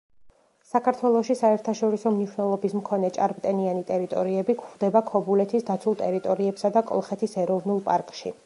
საქართველოში საერთაშორისო მნიშვნელობის მქონე ჭარბტენიანი ტერიტორიები გვხვდება ქობულეთის დაცულ ტერიტორიებსა და კოლხეთის ეროვნულ პარკში.